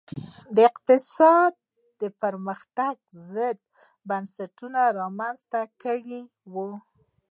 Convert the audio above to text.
د اقتصادي پرمختګ ضد بنسټونه رامنځته کړي وو.